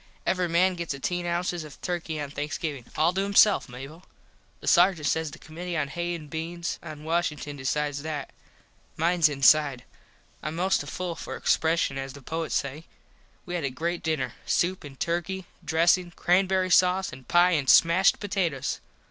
Every man gets ateen ounces of Turky on Thanksgivin. All to himself, Mable. The sargent says the commitee on Hays and Beans at Washington decides that. Mines inside. Im most to full for expreshun as the poets say. We had a great dinner. Soup an turky, dressin, crambury sause an pie an smashed potatoes.